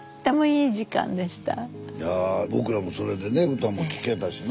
いや僕らもそれでね歌も聴けたしな？